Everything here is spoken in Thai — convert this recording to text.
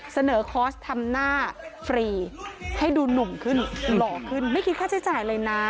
คอสทำหน้าฟรีให้ดูหนุ่มขึ้นหล่อขึ้นไม่คิดค่าใช้จ่ายเลยนะ